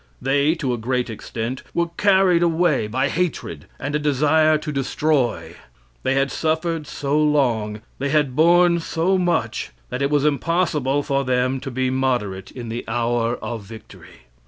They, to a great extent, were carried away by hatred and a desire to destroy. They had suffered so long, they had borne so much, that it was impossible for them to be moderate in the hour of victory.